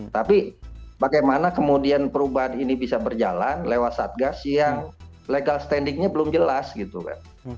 tapi bagaimana kemudian perubahan ini bisa berjalan lewat satgas yang legal standingnya belum jelas gitu kan